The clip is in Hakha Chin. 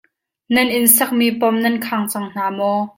Nan inn sakmi pom nan khang cang hna maw?